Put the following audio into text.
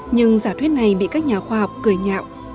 nhưng giả thuyết này bị các nhà khoa học cười nhạo